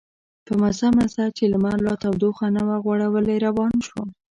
په مزه مزه چې لمر لا تودوخه نه وه غوړولې روان شوم.